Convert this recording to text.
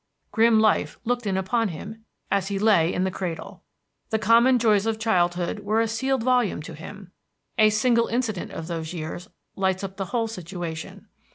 Grim life looked in upon him as he lay in the cradle. The common joys of childhood were a sealed volume to him. A single incident of those years lights up the whole situation.